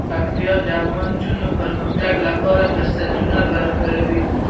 پکتیکا د افغان نجونو د پرمختګ لپاره فرصتونه برابروي.